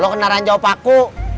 lo kena ranjau paku